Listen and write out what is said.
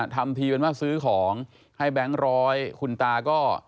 ทำทีเป็นว่าซื้อของให้แบงค์ร้อยคุณตาก็